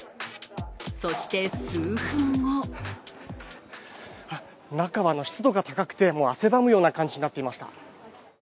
そして、数分後中は湿度が高くて、汗ばむような感じになっていました。